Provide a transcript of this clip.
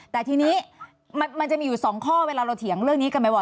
แต่ทีนี้มันจะมีอยู่๒ข้อเวลาเราเถียงเรื่องนี้กันบ่อย